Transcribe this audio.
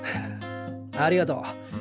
ありがとう。